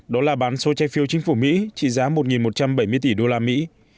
đó là bán số trái phiếu chính phủ mỹ trị giá một một trăm bảy mươi tỷ đô la mỹ